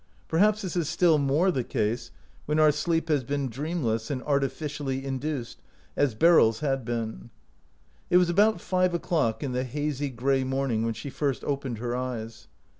Perhaps this is still more the case when our sleep has been dreamless and artificially induced, as Beryl's had been. It was about five o'clock in the hazy gray morning when she first opened her eyes.